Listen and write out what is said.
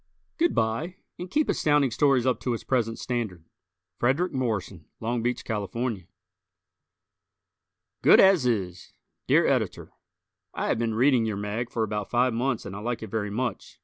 Good by, and keep Astounding Stories up to its present standard. Frederick Morrison, Long Beach, Calif. "Good As Is" Dear Editor: I have been reading your mag for about five months and I like it very much.